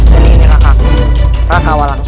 dan inilah kakakku raka walang susa